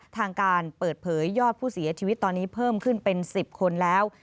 ทางการเปิดเผยยอดผู้เสียชีวิตตอนนี้เพิ่มขึ้นเป็น๑๐คนแล้ว